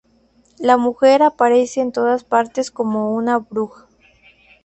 La mujer aparece en todas partes como una "bruja".